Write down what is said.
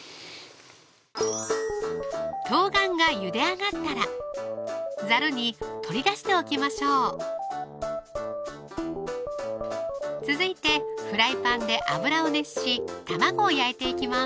冬瓜がゆで上がったらざるに取り出しておきましょう続いてフライパンで油を熱し卵を焼いていきます